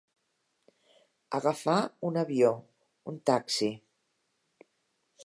Agafar un avió, un taxi.